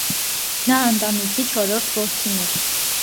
Նա ընտանիքի չորրորդ որդին էր։